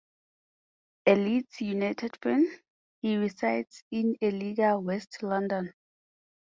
A Leeds United fan, he resides in Ealing, West London.